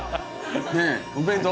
ねえお弁当？